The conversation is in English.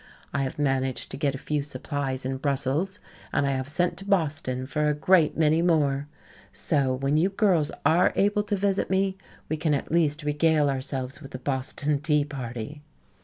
I have managed to get a few supplies in Brussels and I have sent to Boston for a great many more. So when you girls are able to visit me, we can at least regale ourselves with a Boston Tea Party."